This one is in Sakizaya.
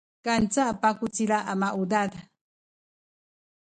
kanca pakucila a maudad